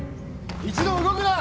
一同動くな！